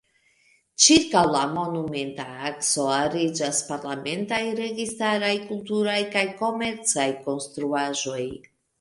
Ĉirkaŭ la Monumenta akso ariĝas parlamentaj, registaraj, kulturaj kaj komercaj konstruaĵoj.